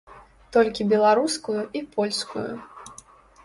Толькі беларускую і польскую.